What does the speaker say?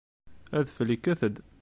Adfel ikkat-d.